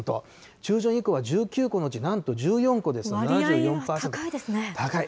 中旬以降は１９個のうちなんと１４個です、７４％、高い。